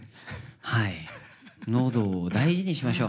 はい喉を大事にしましょう。